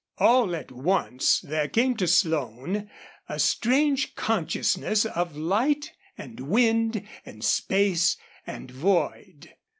All at once there came to Slone a strange consciousness of light and wind and space and void.